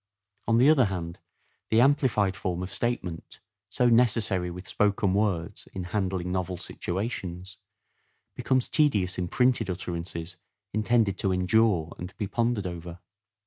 On the other hand, the amplified form of statement, so necessary with spoken words in handling novel situations, becomes tedious in printed utterances intended to endure and be pondered over.